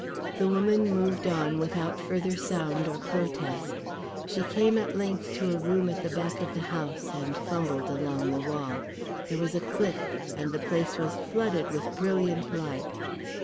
The woman moved on without further sound or protest. She came at length to a room at the back of the house, and fumbled along the wall. There was a click, and the place was flooded with brilliant light.